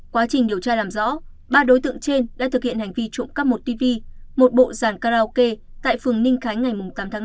quá trình điều tra làm rõ ba đối tượng trên đã thực hiện hành vi trộm cắp một tv một bộ dàn karaoke tại phường ninh khánh ngày tám tháng năm